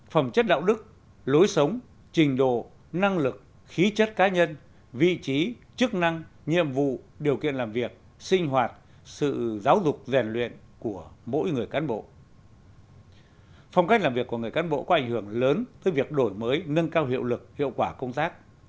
phong cách làm việc của người cán bộ có ảnh hưởng lớn tới việc đổi mới nâng cao hiệu lực hiệu quả công tác